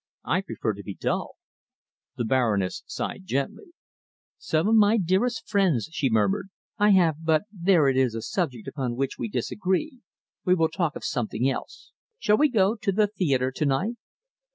I prefer to be dull." The Baroness sighed gently. "Some of my dearest friends," she murmured, "I have but there, it is a subject upon which we disagree. We will talk of something else. Shall we go to the theatre to night?"